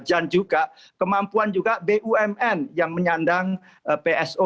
dan juga kemampuan bumn yang menyandang pso